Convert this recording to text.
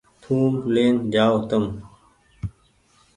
ٿوم لين جآئو تم ۔